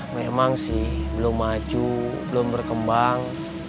memang sih belum maju belum berkembang